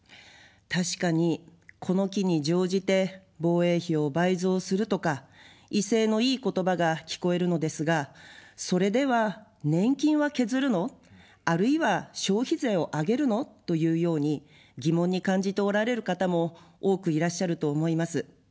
確かに、この機に乗じて防衛費を倍増するとか威勢のいい言葉が聞こえるのですが、それでは年金は削るの、あるいは消費税を上げるの、というように疑問に感じておられる方も多くいらっしゃると思います。